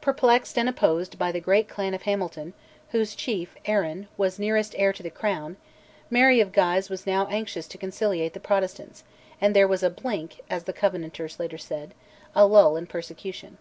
Perplexed and opposed by the great clan of Hamilton, whose chief, Arran, was nearest heir to the crown, Mary of Guise was now anxious to conciliate the Protestants, and there was a "blink," as the Covenanters later said, a lull in persecution.